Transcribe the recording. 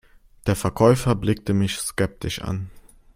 Der Verkäufer blickte mich skeptisch an.